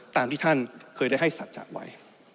ตามที่ท่านเคยได้ให้สัจจะไว้